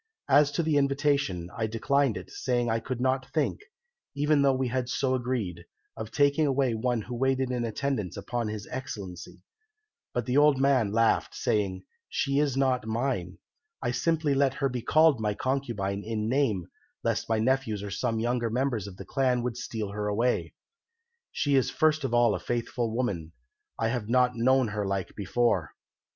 As to the invitation I declined it, saying I could not think, even though we had so agreed, of taking away one who waited in attendance upon His Excellency. But the old man laughed, saying, 'She is not mine. I simply let her be called my concubine in name lest my nephews or some younger members of the clan should steal her away. She is first of all a faithful woman: I have not known her like before.'